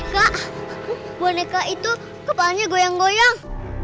kak boneka itu kepalanya goyang goyang